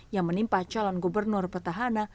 yang menimpa calon gubernur petahana